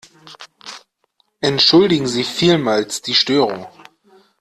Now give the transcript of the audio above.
Entschuldigen Sie vielmals die Störung.